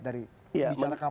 bicara kapal kita